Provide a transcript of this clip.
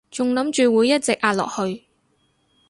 仲諗住會一直壓落去